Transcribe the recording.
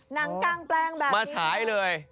หนังกางแปลงแบบนี้มาฉายเลย